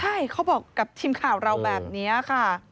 ใช่เขาบอกกับทีมข่าวเราแบบนี้ค่ะ